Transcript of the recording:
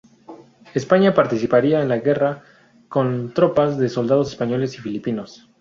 España participaría en la guerra con tropas de soldados españoles y filipinos.